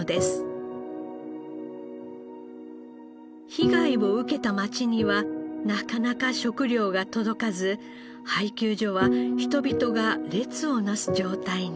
被害を受けた町にはなかなか食料が届かず配給所は人々が列を成す状態に。